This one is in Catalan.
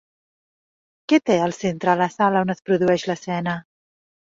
Què té al centre la sala on es produeix l'escena?